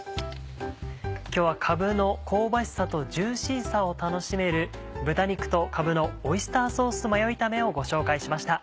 今日はかぶの香ばしさとジューシーさを楽しめる豚肉とかぶのオイスターソースマヨ炒めをご紹介しました。